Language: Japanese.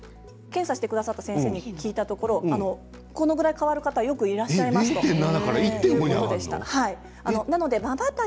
検査してくださった先生によるとこのぐらい変わる方よくいらっしゃいますと言っていました。